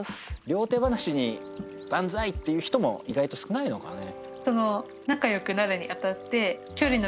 両手放しにバンザイっていう人も意外と少ないのかね。